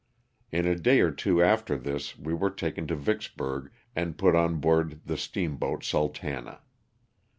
In a day or two after this we were taken to Vicksburg and put on board the steam boat "Sultana."